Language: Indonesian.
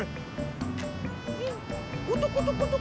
hutup hutup hutup hutup